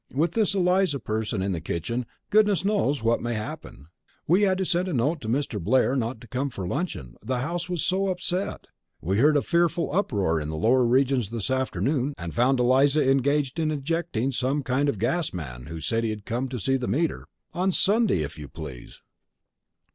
With this Eliza person in the kitchen goodness knows what may happen. We had to send a note to Mr. Blair not to come for luncheon, the house was so upset. We heard a fearful uproar in the lower regions this afternoon and found Eliza engaged in ejecting some kind of gas man who said he had come to see the meter (on Sunday, if you please!)